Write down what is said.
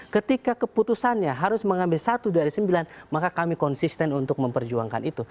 ketika keputusannya harus mengambil satu dari sembilan maka kami konsisten untuk memperjuangkan itu